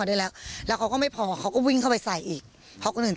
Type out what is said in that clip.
ได้แล้วแล้วเขาก็ไม่พอเขาก็วิ่งเข้าไปใส่อีกเพราะคนอื่น